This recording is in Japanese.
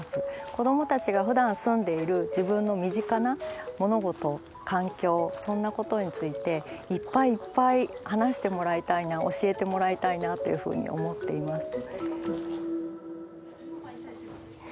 子どもたちがふだん住んでいる自分の身近な物事環境そんなことについていっぱいいっぱい話してもらいたいな教えてもらいたいなというふうに思っています。